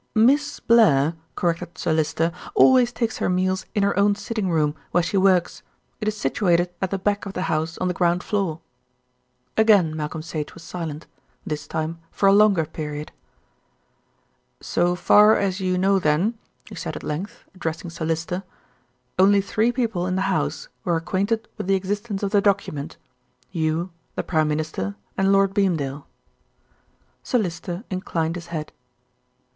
"Miss Blair," corrected Sir Lyster, "always takes her meals in her own sitting room, where she works. It is situated at the back of the house on the ground floor." Again Malcolm Sage was silent, this time for a longer period. "So far as you know, then," he said at length, addressing Sir Lyster, "only three people in the house were acquainted with the existence of the document; you, the Prime Minister, and Lord Beamdale." Sir Lyster inclined his head.